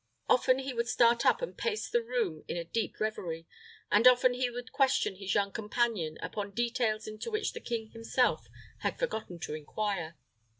Often he would start up and pace the room in a deep revery, and often he would question his young companion upon details into which the king himself had forgotten to inquire.